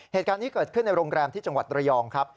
เหตุการณ์นี้เกิดขึ้นในโรงแรมที่จังหวัดระยองครับ